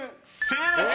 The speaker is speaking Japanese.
［正解！